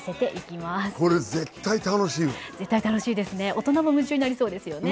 大人も夢中になりそうですよね。